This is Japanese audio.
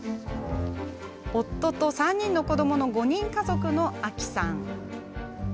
夫と３人の子どもの５人家族のあきさん。